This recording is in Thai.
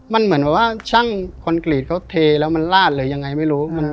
มันเหมือนแบบว่าช่างคอนกรีตเขาเทแล้วมันลาดหรือยังไงไม่รู้